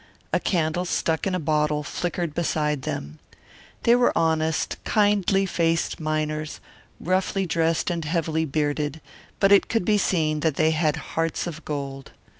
A candle stuck in a bottle flickered beside them. They were honest, kindly faced miners, roughly dressed and heavily bearded, but it could be seen that they had hearts of gold.